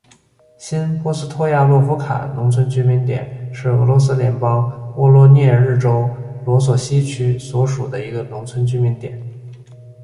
新波斯托亚洛夫卡农村居民点是俄罗斯联邦沃罗涅日州罗索希区所属的一个农村居民点。